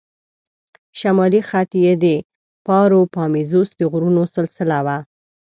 شمالي خط یې د پاروپامیزوس د غرونو سلسله وه.